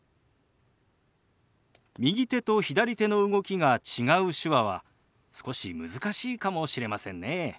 右手と左手の動きが違う手話は少し難しいかもしれませんね。